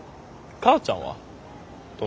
母ちゃん？